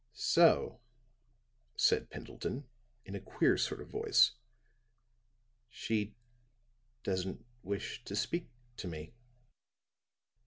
"So," said Pendleton, in a queer sort of voice, "she doesn't wish to speak to me."